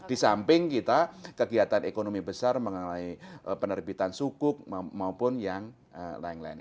di samping kita kegiatan ekonomi besar mengenai penerbitan sukuk maupun yang lain lain